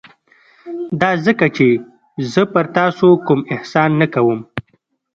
دا ځکه چې زه پر تاسو کوم احسان نه کوم.